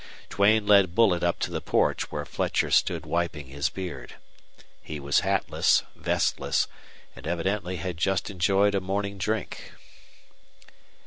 Duane led Bullet up to the porch where Fletcher stood wiping his beard. He was hatless, vestless, and evidently had just enjoyed a morning drink.